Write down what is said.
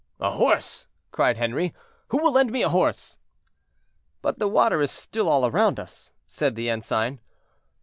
"A horse!" cried Henri; "who will lend me a horse?" "But the water is still all around us," said the ensign.